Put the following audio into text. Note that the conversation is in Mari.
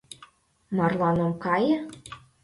Марлан ом кае?